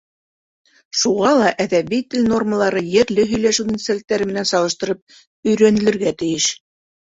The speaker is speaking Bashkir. Шуға ла әҙәби тел нормалары ерле һөйләш үҙенсәлектәре менән сағыштырып өйрәнелергә тейеш.